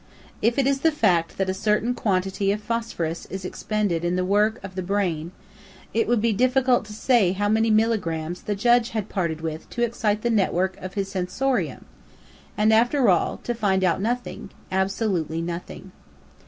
If it is the fact that a certain quantity of phosphorus is expended in the work of the brain, it would be difficult to say how many milligrammes the judge had parted with to excite the network of his "sensorium," and after all, to find out nothing, absolutely nothing.